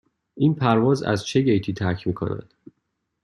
این پرواز از چه گیتی ترک می کند؟